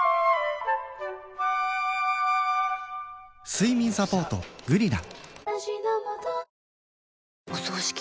睡眠サポート「グリナ」